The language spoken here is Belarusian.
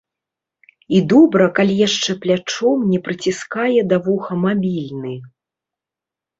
І добра, калі яшчэ плячом не прыціскае да вуха мабільны.